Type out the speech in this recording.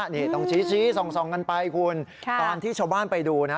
นี่ต้องชี้ส่องกันไปคุณตอนที่ชาวบ้านไปดูนะ